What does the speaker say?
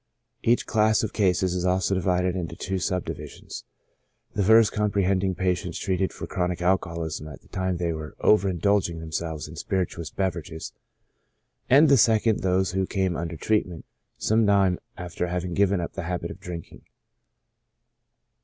Each class of cases is also divided into two sub divisions : the first comprehending patients treated for chro nic alcoholism at the time they were over indulging them selves in spirituous beverages ; and the second those who came under treatment some time after having given up the habit of drinking.